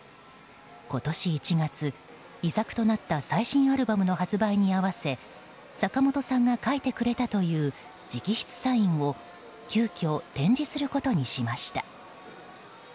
今年１月、遺作となった最新アルバムの発売に合わせ坂本さんが書いてくれたという直筆サインを急きょ展示することにしました。